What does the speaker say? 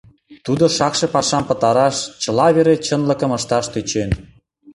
Тудо шакше пашам пытараш, чыла вере чынлыкым ышташ тӧчен.